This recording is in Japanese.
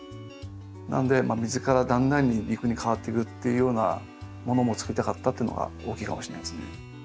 なので水からだんだんに陸に変わっていくっていうようなものもつくりたかったっていうのが大きいかもしれないですね。